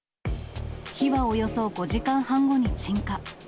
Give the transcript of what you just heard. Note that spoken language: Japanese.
火はおよそ５時間半後に鎮火。